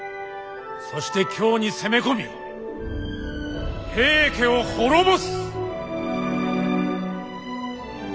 そして京に攻め込み平家を滅ぼす。